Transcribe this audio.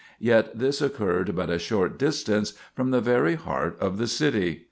Yet this occurred but a short distance from the very heart of the city."